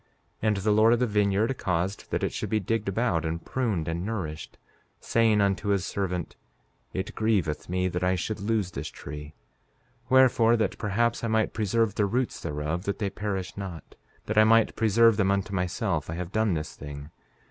5:11 And the Lord of the vineyard caused that it should be digged about, and pruned, and nourished, saying unto his servant: It grieveth me that I should lose this tree; wherefore, that perhaps I might preserve the roots thereof that they perish not, that I might preserve them unto myself, I have done this thing.